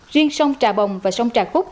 riêng sông trà bồng và sông trà khúc